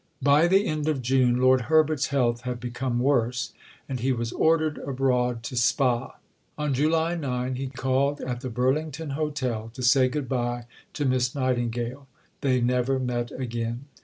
By the end of June, Lord Herbert's health had become worse, and he was ordered abroad to Spa. On July 9 he called at the Burlington Hotel to say good bye to Miss Nightingale. They never met again.